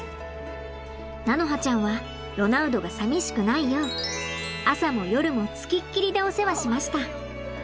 菜花ちゃんはロナウドが寂しくないよう朝も夜もつきっきりでお世話しました。